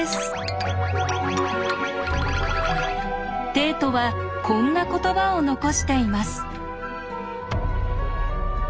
テイトはこんな言葉を残しています。